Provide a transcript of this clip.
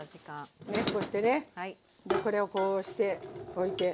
ねこうしてねこれをこうしておいて。